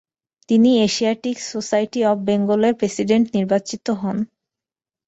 তিনি Asiatic society of বেঙ্গল-এর president নির্বাচিত হন।